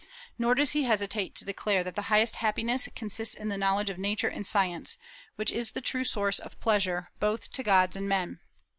Nor does he hesitate to declare that the highest happiness consists in the knowledge of Nature and science, which is the true source of pleasure both to gods and men.